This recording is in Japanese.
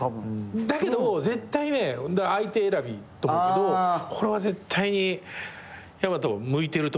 だけど絶対ね相手選びと思うけどこれは絶対にやまと向いてると思う。